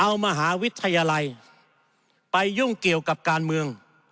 เอามหาวิทยาลัยไปยุ่งเกี่ยวกับการเมือง